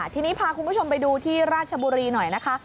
ทีนี้พาคุณผู้ชมไปดูที่ราชบุรีหน่อยนะคะ